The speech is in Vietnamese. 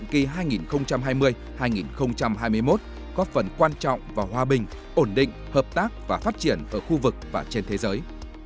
kỳ hai nghìn hai mươi hai nghìn hai mươi một có phần quan trọng vào hòa bình ổn định hợp tác và phát triển ở khu vực và trên thế giới